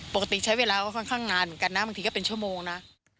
ปกติใช้เวลาก็ค่อนข้างนานเหมือนกันนะบางทีก็เป็นชั่วโมงนะ